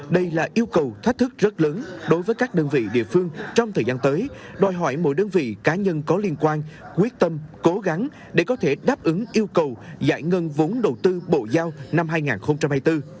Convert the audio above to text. đây là yêu cầu thách thức rất lớn đối với các đơn vị địa phương trong thời gian tới đòi hỏi mỗi đơn vị cá nhân có liên quan quyết tâm cố gắng để có thể đáp ứng yêu cầu giải ngân vốn đầu tư bộ giao năm hai nghìn hai mươi bốn